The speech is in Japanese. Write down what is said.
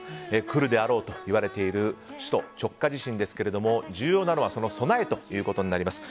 来るであろうと言われている首都直下地震ですけども重要なのは備えということになります。